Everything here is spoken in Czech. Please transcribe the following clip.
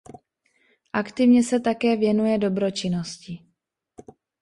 Aktivně se také věnuje dobročinnosti.